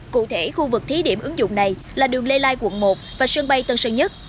cụ thể khu vực thí điểm ứng dụng này là đường lê lai quận một và sân bay tân sơn nhất